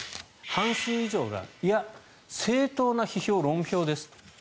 半数以上がいや、正当な批評・論評ですと。